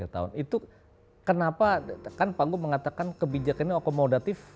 itu kenapa kan pak gu mengatakan kebijakan ini akomodatif